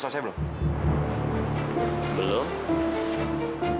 udah selesai belum